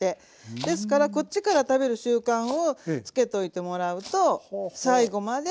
ですからこっちから食べる習慣をつけといてもらうと最後まで。